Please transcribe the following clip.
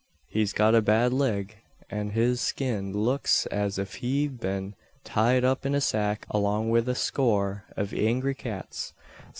He's got a bad lig; an his skin luks as if he'd been tied up in a sack along wid a score av angry cats.